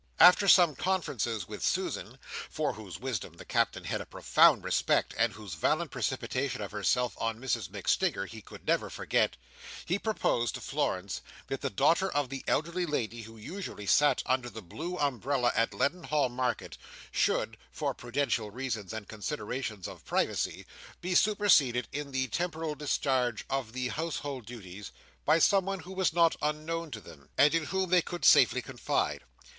After some conferences with Susan (for whose wisdom the Captain had a profound respect, and whose valiant precipitation of herself on Mrs MacStinger he could never forget), he proposed to Florence that the daughter of the elderly lady who usually sat under the blue umbrella in Leadenhall Market, should, for prudential reasons and considerations of privacy, be superseded in the temporary discharge of the household duties, by someone who was not unknown to them, and in whom they could safely confide.